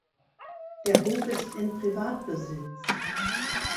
Der Hof ist in Privatbesitz.